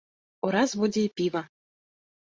Ураз будзе і піва!